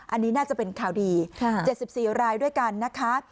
อันนี้น่าจะเป็นข่าวดี๗๔รายด้วยกันนะคะ